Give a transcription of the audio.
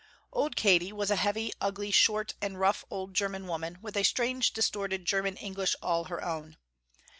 Old Katy was a heavy, ugly, short and rough old german woman, with a strange distorted german english all her own.